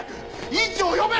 院長を呼べ！